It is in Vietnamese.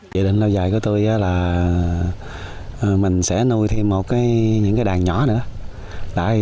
dự định lâu dài của tôi là mình sẽ nuôi thêm một cái đàn nhỏ nữa